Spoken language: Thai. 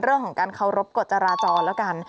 เรื่องของการเคารพกฎจราจรแล้วกัน